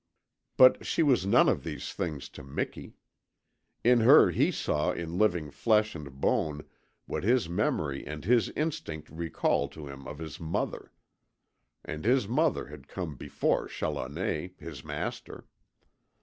But she was none of these things to Miki. In her he saw in living flesh and bone what his memory and his instinct recalled to him of his mother. And his mother had come before Challoner, his master.